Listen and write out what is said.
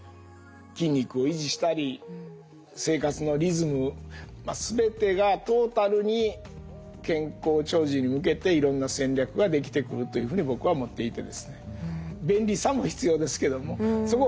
筋肉を維持したり生活のリズム全てがトータルに健康長寿に向けていろんな戦略ができてくるというふうに僕は思っていてですね。